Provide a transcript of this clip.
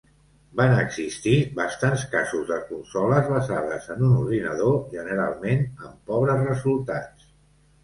Van existir bastants casos de consoles basades en un ordinador, generalment amb pobres resultats.